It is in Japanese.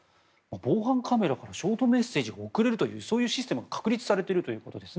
防犯カメラからショートメッセージが送れるというシステムが確立されているということです。